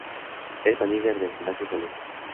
Es la líder del gimnasio Celeste.